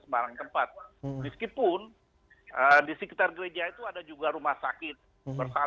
karena puharga puhr copies untuk dokter